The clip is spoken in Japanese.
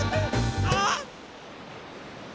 あっ。